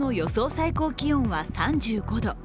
最高気温は３５度。